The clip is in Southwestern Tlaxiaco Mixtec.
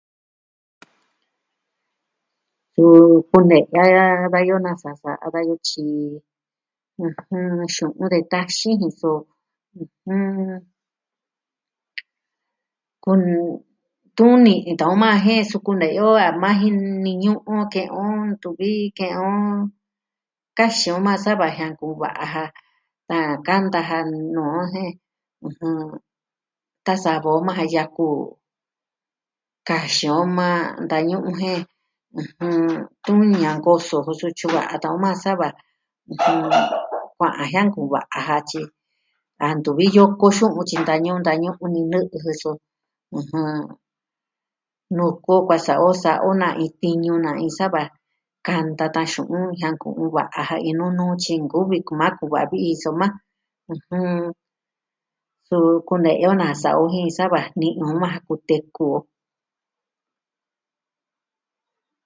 Suu kune'ya da yoo nasa sa'a dayoo tyi xu'un de taxin jin soo kune'ya tuni'i ta'an o maa jen kunee o maa jini ñu'un ke'en o ntuvi ke'en o kaxi o maa sava jiankɨ'ɨ va'a ja. Da kanta ja no'o jen, tasa'a vi o maa ja yaku. Kaxi o maa natañu'u jen, tuni a koso jo so tyu'un a ta'an o maa sava kua'an jiankɨ'ɨ va'a ja. tyi, a ntu viyo koso tyi ntañu'u ni nɨ'ɨ jɨ sɨ. Nuu koo kasa'a o sa'a o na iin tiñu na iin sava kanta tan xu'un jiankɨ'ɨ va'a ja iin nunu tyi nkuvi kuvi maa ku'un va'a ja vi'i soma, suu kune'ya nasa'a o jen sava ni majan kuteku o.